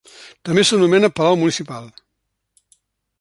També s'anomena palau Municipal.